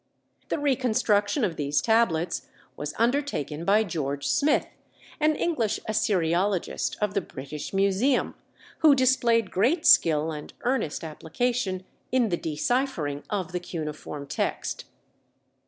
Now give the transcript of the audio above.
The reconstruction of these tablets was undertaken by George Smith, an English Assyriologist of the British Museum, who displayed great skill and earnest application in the deciphering of the cuneiform text.